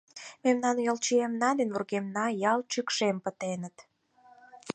Мемнан йолчиемна ден вургемна ялт шӱкшем пытеныт.